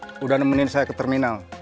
terima kasih udah nemenin saya ke terminal